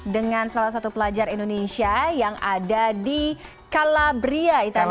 dengan salah satu pelajar indonesia yang ada di calabria italia